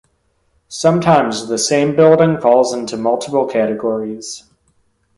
Sometimes the same building falls into multiple categories.